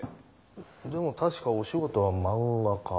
でも確かお仕事は「漫画家」。